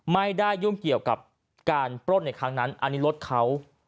ไม่ได้ยุ่งเกี่ยวกับการปล้นในครั้งนั้นอันนี้รถเขา